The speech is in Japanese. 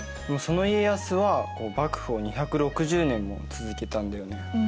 その家康は幕府を２６０年も続けたんだよね。